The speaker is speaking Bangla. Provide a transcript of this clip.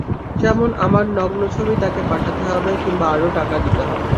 যেমন আমার নগ্ন ছবি তাকে পাঠাতে হবে, কিংবা আরও টাকা দিতে হবে।